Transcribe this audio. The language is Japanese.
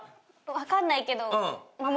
分かんないけど。